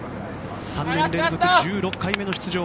３年連続１６回目の出場。